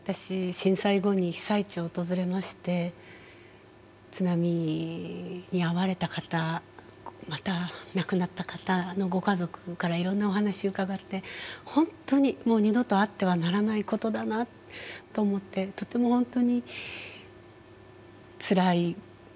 震災後に被災地を訪れまして津波に遭われた方また亡くなった方のご家族からいろんなお話伺って本当にもう二度とあってはならないことだなと思ってとても本当につらい思いになりました。